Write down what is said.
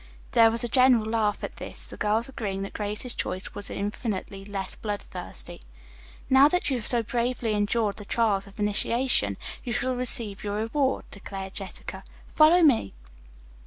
'" There was a general laugh at this, the girls agreeing that Grace's choice was infinitely less blood thirsty. "Now that you have so bravely endured the trials of initiation, you shall receive your reward," declared Jessica. "Follow me."